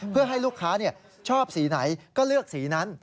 เพื่อให้ลูกค้าชอบสีไหนก็เลือกสีนั้น